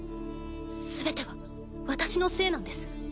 すべては私のせいなんです。